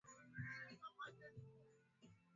nane nchini Tanzania kumi na tatu